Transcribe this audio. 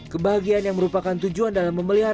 kebahagiaan yang merupakan tujuan dalam memelihara